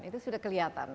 itu sudah kelihatan